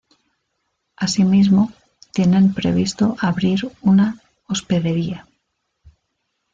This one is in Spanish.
Asimismo, tienen previsto abrir una hospedería.